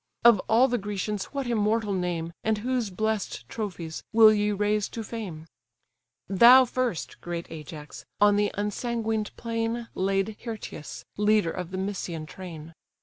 Of all the Grecians what immortal name, And whose bless'd trophies, will ye raise to fame? Thou first, great Ajax! on the unsanguined plain Laid Hyrtius, leader of the Mysian train.